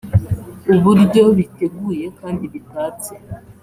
uburyo biteguye kandi bitatse